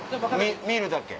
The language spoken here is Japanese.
見るだけ。